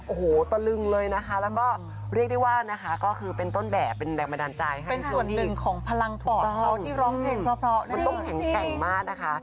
โอ้โหตะลึงเลยนะคะแล้วก็เรียกได้ว่านะคะก็คือเป็นต้นแบบเป็นแรงบันดาลใจให้เป็นส่วนหนึ่งของพลังปอดเขาที่ร้องเพลงเพราะมันต้องแข็งแกร่งมากนะคะ